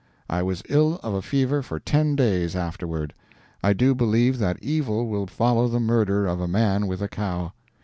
I was ill of a fever for ten days afterward. I do believe that evil will follow the murder of a man with a cow.